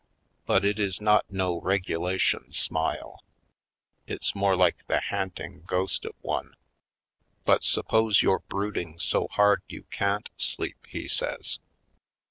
But it is not no regulation smile — it's more like the ha'nting ghost of one. "But suppose you're brooding so hard you can't sleep?" he says.